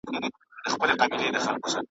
مگر گوره یولوی ځوز دی زما په پښه کی .